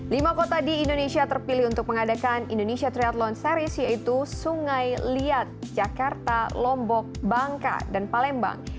lima kota di indonesia terpilih untuk mengadakan indonesia triathlon series yaitu sungai liat jakarta lombok bangka dan palembang